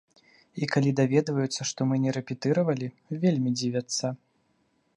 І калі даведваюцца, што мы не рэпетыравалі, вельмі дзівяцца.